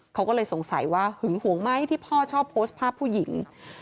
เขาก็เลยสงสัยว่าหึงหวงไหมที่พ่อชอบโพสต์ภาพผู้หญิง